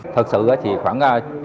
thật sự thì khoảng